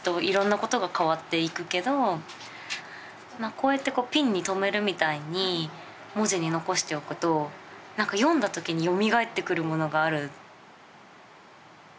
こうやってこうピンに留めるみたいに文字に残しておくとなんか読んだ時によみがえってくるものがある。